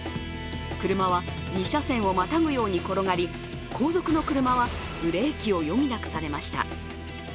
車は２車線をまたぐように転がり、後続の車はブレーキを余儀なくされました。